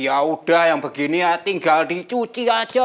yaudah yang begini ya tinggal dicuci aja